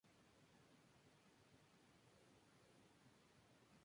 Varias expresiones catalanas usan esta palabra.